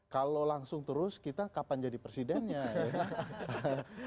kalau langsung terus kita kapan jadi presidennya ya